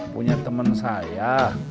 punya temen saya